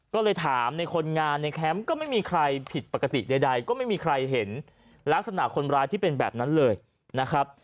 ก็เลยถามในคนงานในแคมป์ก็ไม่มีใครผิดปกติใดก็ไม่มีใครเห็นลักษณะคนร้ายที่เป็นแบบนั้นเลยนะครับ